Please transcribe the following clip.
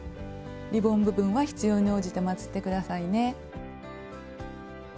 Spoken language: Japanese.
リボン部分は必要に応じてまつって下さいね。